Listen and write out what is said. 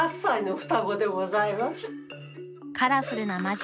「カラフルな魔女」。